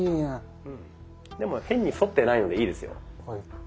でも変に反ってないのでいいですよ。